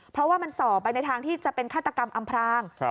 เพราะว่ามันส่อไปในทางที่จะเป็นฆาตกรรมอำพราง